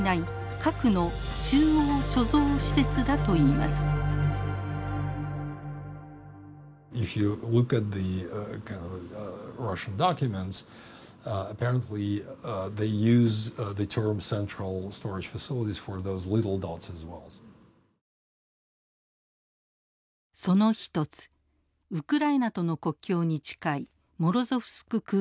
その一つウクライナとの国境に近いモロゾフスク空軍基地。